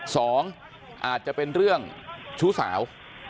สองอาจจะเป็นเรื่องชู้สาว